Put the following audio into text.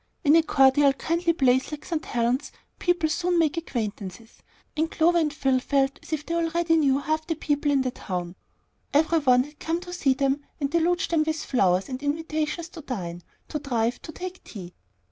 In a cordial, kindly place, like St. Helen's, people soon make acquaintances, and Clover and Phil felt as if they already knew half the people in the town. Every one had come to see them and deluged them with flowers, and invitations to dine, to drive, to take tea.